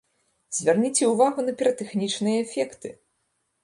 Звярніце ўвагу на піратэхнічныя эфекты!